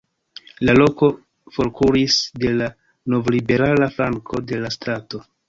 La koko forkuris de la novliberala flanko de la strato.